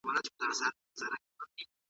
سعید ته اجازه ورکړه چې انځور وګوري.